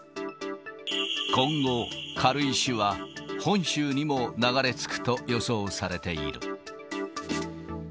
今後、軽石は、本州にも流れ着くと予想されている。